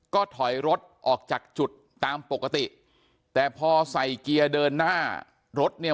ก็ถอยรถออกจากจุดตามปกติแต่พอใส่เกียร์เดินหน้ารถเนี่ย